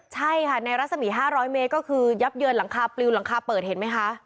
ใช่ค่ะในรัศมี๕๐๐เมตรก็คือยับเยินหลังคาปลิวหลังคาเปิดเห็นไหมคะ